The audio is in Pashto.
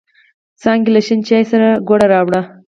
څانگې له شین چای سره گوړه راوړې.